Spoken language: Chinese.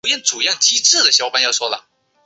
不久被废。